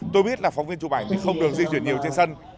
tôi biết là phóng viên chụp ảnh thì không được di chuyển nhiều trên sân